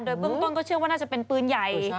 โดยเบื้องต้นก็เชื่อว่าน่าจะเป็นปืนใหญ่